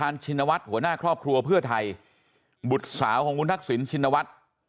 ทานชินวัดหัวหน้าครอบครัวเพื่อไทยบุตรสาวของคุณทักศิลป์ชินวัด